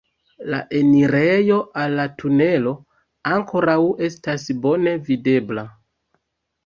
La enirejo al la tunelo ankoraŭ estas bone videbla.